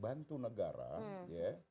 bantu negara ya